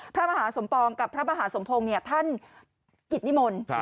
พระมหาสมปองกับพระมหาสมพงศ์ท่านกิจนิมนต์